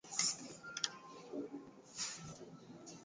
Ronaldo alikuwa Mchezaji bora zaidi wa Kireno wakati